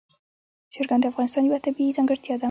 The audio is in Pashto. چرګان د افغانستان یوه طبیعي ځانګړتیا ده.